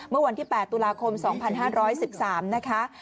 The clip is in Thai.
เมื่อวันที่๘ตุลาคม๒๕๑๓นะคะ